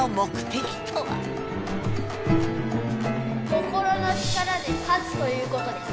「心の力」で勝つということです。